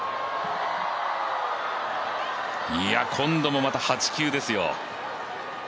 今度も、また８球ですよ。